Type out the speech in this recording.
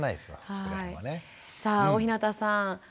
さあ大日向さん